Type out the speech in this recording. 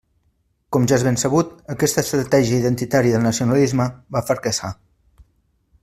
Com ja és ben sabut, aquesta estratègia identitària del nacionalisme va fracassar.